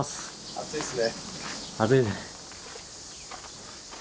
暑いです。